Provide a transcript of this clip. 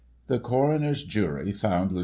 The Coroner's jury found Lt.